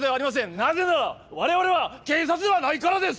なぜなら我々は警察ではないからです！